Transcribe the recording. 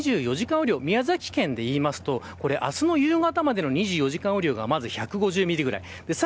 ２４時間雨量宮崎県でいいますと明日の夕方までの２４時間雨量がまず１５０ミリぐらい。